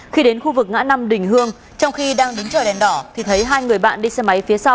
khi đến khu vực ngã năm đình hương trong khi đang đứng chờ đèn đỏ thì thấy hai người bạn đi xe máy phía sau